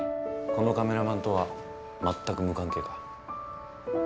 このカメラマンとはまったく無関係か？